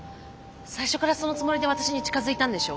最初からそのつもりで私に近づいたんでしょ？